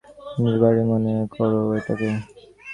নিজের বাড়িই মনে করো এটাকে।